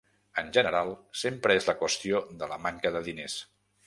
En general sempre és la qüestió de la manca de diners.